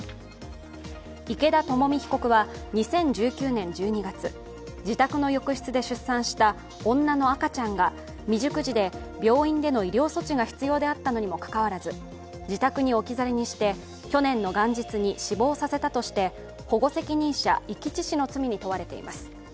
池田知美被告は２０１９年１２月自宅の浴室で出産した女の赤ちゃんが未熟児で病院での医療措置が必要であったのにもかかわらず自宅に置き去りにして去年の元日に死亡させたとして保護責任者遺棄致死の罪に問われています。